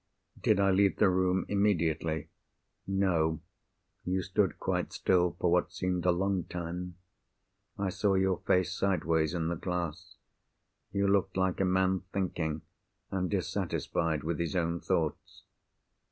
"Did I leave the room immediately?" "No. You stood quite still, for what seemed a long time. I saw your face sideways in the glass. You looked like a man thinking, and dissatisfied with his own thoughts."